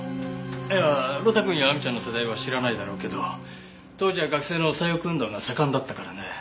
いやあ呂太くんや亜美ちゃんの世代は知らないだろうけど当時は学生の左翼運動が盛んだったからね。